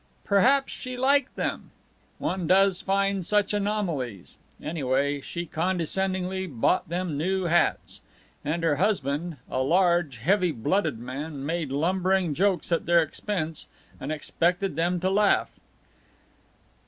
Perhaps she liked them. One does find such anomalies. Anyway, she condescendingly bought them new hats. And her husband, a large, heavy blooded man, made lumbering jokes at their expense, and expected them to laugh.